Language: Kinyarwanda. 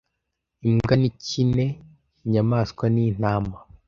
Imbwa ni kine - inyamaswa ni intama